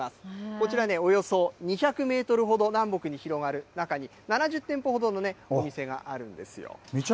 こちらね、およそ２００メートルほど南北に広がる中に、７０店舗ほどのお店があるんですよ。